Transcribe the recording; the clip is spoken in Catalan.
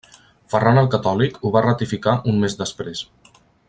Ferran el Catòlic ho va ratificar un mes després.